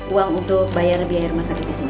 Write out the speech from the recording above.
uang untuk bayar biaya rumah sakit disini